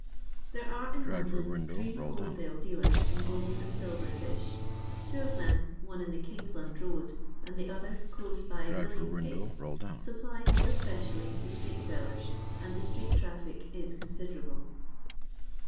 There are in London three wholesale dealers in gold and silver fish; two of whom — one in the kingshmd road and the other close by Billings gate— supply more especially the street sellers, and the street traffic is considerable.